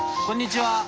こんにちは。